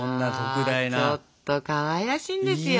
ちょっとかわいらしいんですよ。